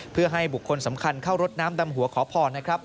เพื่อให้บุคคลสำคัญเข้ารดน้ำดำหัวขอพรนะครับ